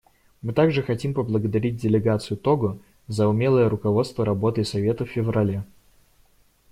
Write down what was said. Мы также хотим поблагодарить делегацию Того за умелое руководство работой Совета в феврале.